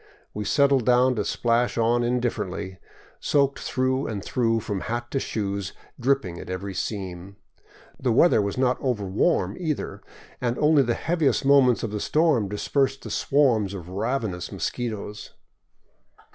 We settled down to splash on indifferently, soaked through and through from hat to shoes, dripping at every seam. The weather was not over warm either, and only the heaviest moments of the storm dispersed the swarms of ravenous mosquitoes.